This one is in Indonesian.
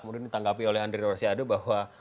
kemudian ditanggapi oleh andre orsiado bahwa